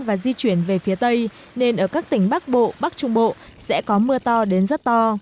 và di chuyển về phía tây nên ở các tỉnh bắc bộ bắc trung bộ sẽ có mưa to đến rất to